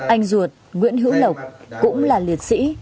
anh ruột nguyễn hữu lộc cũng là liệt sĩ